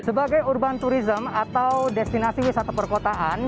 sebagai urban tourism atau destinasi wisata perkotaan